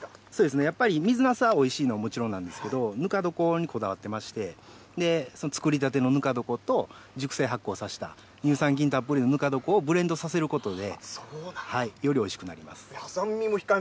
そうですね、やっぱり水なすはおいしいのはもちろんなんですけれども、ぬか床にこだわってまして、で、作りたてのぬか床と、熟成発酵させた乳酸菌たっぷりのぬか床をブレンドさせることでよりおいしくなります。